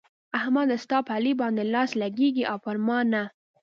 احمده! ستا په علي باندې لاس لګېږي او پر ما نه.